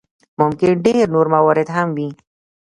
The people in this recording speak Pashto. ممکن ډېر نور موارد هم وي.